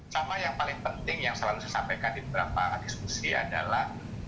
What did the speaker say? sama yang paling penting yang selalu saya sampaikan di beberapa diskusi adalah